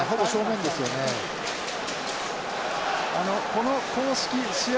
この公式試合